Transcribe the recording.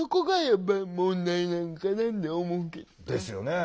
ですよね。